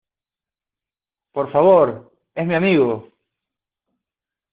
Por favor. Es mi amigo .